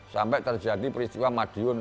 sampai terjadi peristiwa madiun empat puluh delapan